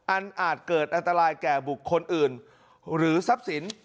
อาจเกิดอันตรายแก่บุคคลอื่นหรือทรัพย์สิน